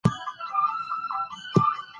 چي له سر څخه د چا عقل پردی سي